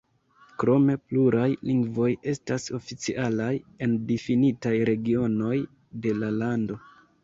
Krome pluraj lingvoj estas oficialaj en difinitaj regionoj de la lando.